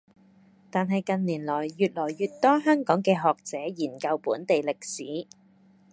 但係近年來越來越多香港嘅學者研究本地歷史